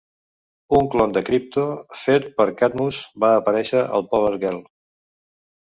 Un clon de Krypto fet per Cadmus va aparèixer a "Power Girl".